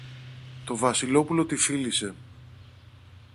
Το Βασιλόπουλο τη φίλησε.